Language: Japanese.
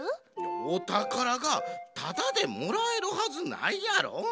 おたからがタダでもらえるはずないやろ。